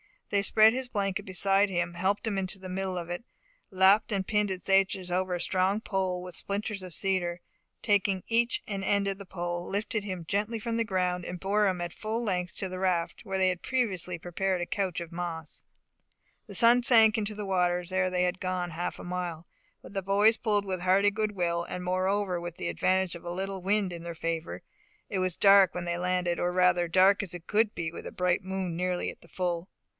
They spread his blanket beside him, helped him into the middle of it, lapped and pinned its edges over a strong pole with splinters of cedar, and taking each an end of the pole, lifted him gently from the ground, and bore him at full length to the raft, where they had previously prepared a couch of moss. The sun sunk into the waters ere they had gone half a mile; but the boys pulled with a hearty good will, and moreover with the advantage of a little wind in their favour. It was dark when they landed, or rather, dark as it could be with a bright moon nearly at the full.